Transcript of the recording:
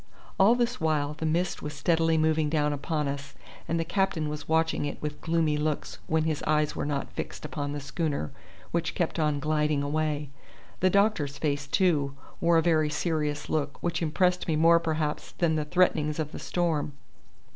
All this while the mist was steadily moving down upon us, and the captain was watching it with gloomy looks when his eyes were not fixed upon the schooner, which kept on gliding away. The doctor's face, too, wore a very serious look, which impressed me more perhaps than the threatenings of the storm.